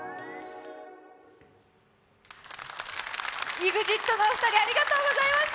ＥＸＩＴのお二人ありがとうございました！